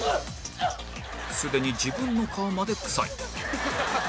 すでに自分の顔まで臭い